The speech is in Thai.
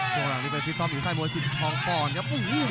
ช่วงหลังนี้ไปฝึกซ้อมอยู่ใคร่มวลสิทธิ์ท้องปอนด์ครับ